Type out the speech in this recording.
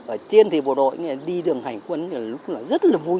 ở trên thì bộ đội đi đường hành quân lúc là rất là vui